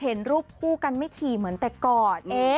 เห็นรูปคู่กันไม่ถี่เหมือนแต่ก่อน